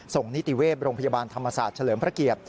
นิติเวศโรงพยาบาลธรรมศาสตร์เฉลิมพระเกียรติ